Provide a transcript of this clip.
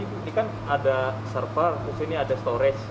ini kan ada server di sini ada storage